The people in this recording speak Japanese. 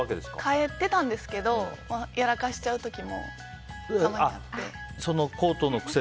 変えてたんですけどやらかしちゃう時もたまにあって。